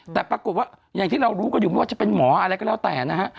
แต่ปรากฏว่าอย่างที่เรารู้กันอยู่ไม่ว่าจะเป็นหมออะไรก็แล้วแต่นะฮะ